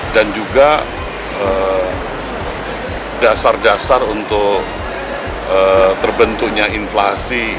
dan juga dasar dasar untuk terbentuknya inflasi